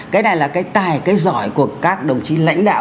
cái này là cái tài cái giỏi của các đồng chí lãnh đạo